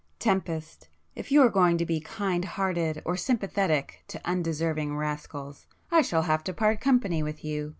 "Tempest, if you are going to be kind hearted or sympathetic to undeserving rascals, I shall have to part company with you!"